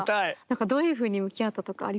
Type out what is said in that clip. どういうふうに向き合ったとかありますか？